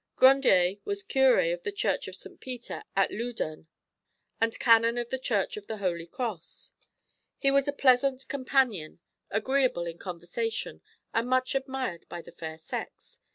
Grandier was curé of the Church of St. Peter at Loudun and canon of the Church of the Holy Cross. He was a pleasant companion, agreeable in conversation, and much admired by the fair sex.